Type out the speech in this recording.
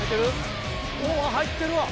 おぉ入ってるわ！